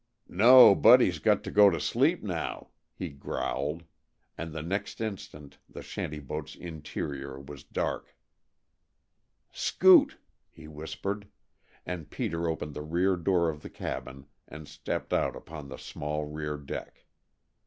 "No, Buddy's got to go to sleep now," he growled and the next instant the shanty boat's interior was dark. "Scoot!" he whispered, and Peter opened the rear door of the cabin and stepped out upon the small rear deck.